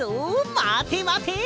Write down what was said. まてまて！